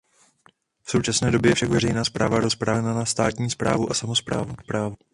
V současné době je však veřejná správa rozdělena na státní správu a samosprávu.